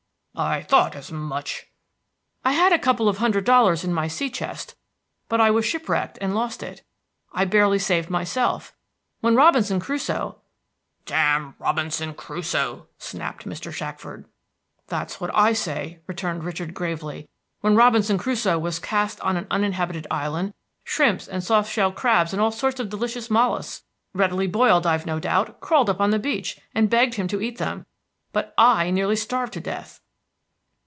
"I thought as much." "I had a couple of hundred dollars in my sea chest; but I was shipwrecked, and lost it. I barely saved myself. When Robinson Crusoe" "Damn Robinson Crusoe!" snapped Mr. Shackford. "That's what I say," returned Richard gravely. "When Robinson Crusoe was cast on an uninhabited island, shrimps and soft shell crabs and all sorts of delicious mollusks readily boiled, I've no doubt crawled up on the beach, and begged him to eat them; but I nearly starved to death."